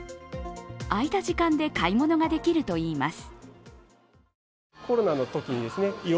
空いた時間で買い物ができるといいます。